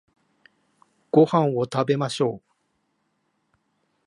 ご飯を食べましょう